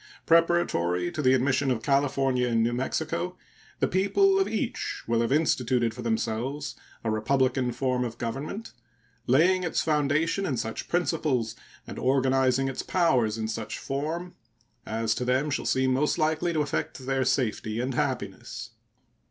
Preparatory to the admission of California and New Mexico the people of each will have instituted for themselves a republican form of government, "laying its foundation in such principles and organizing its powers in such form as to them shall seem most likely to effect their safety and happiness."